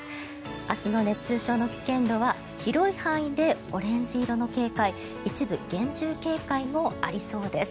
明日の熱中症の危険度は広い範囲でオレンジ色の警戒一部、厳重警戒もありそうです。